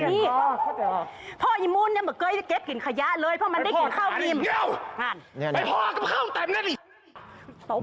เพราะอีมูลเก็บกลิ่นขยะเลยเพราะมันได้เขียนเข้ากลิ่น